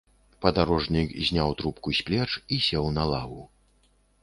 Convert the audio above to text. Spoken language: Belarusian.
Падарожнік зняў трубку з плеч і сеў на лаву.